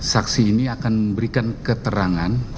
saksi ini akan memberikan keterangan